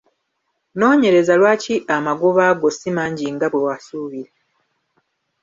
Noonyereza lwaki amagoba go si mangi nga bwe wasuubira.